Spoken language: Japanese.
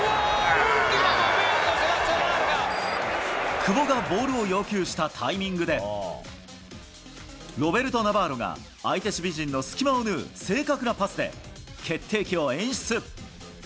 久保がボールを要求したタイミングで、ロベルト・ナバーロが、相手守備陣の隙間を縫う正確なパスで決定機を演出。